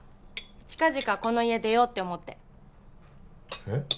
近々この家出ようって思ってえっ？